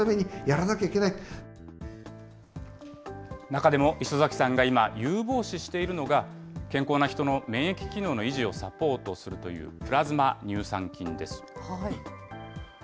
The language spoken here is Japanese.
中でも磯崎さんが今、有望視しているのが、健康な人の免疫機能の維持をサポートするという、プラズマ乳酸菌です。